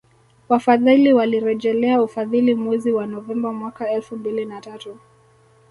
Wafadhili walirejelea ufadhili mwezi wa Novemba mwaka elfu mbili na tatu